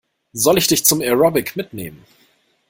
Soll ich dich zum Aerobic mitnehmen?